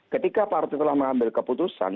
ketika pak ahok telah mengambil keputusan